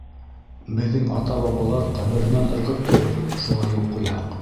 Беҙҙең ата-бабалар ҡәберенән ырғып торор шуға юл ҡуйһаҡ!